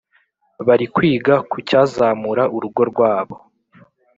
bari kwiga ku cyazamura urugo rwabo.